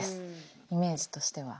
イメージとしては。